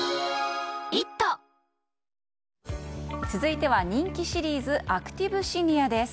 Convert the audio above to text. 続いては人気シリーズアクティブシニアです。